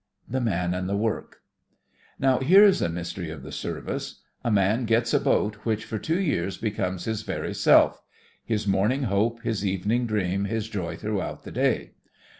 THE MAJSr AND THE WORK Now here is a mystery of the Serv ice. A man gets a boat which for two years becomes his very self — His morning hope, his evening dream. His joy throughout the day.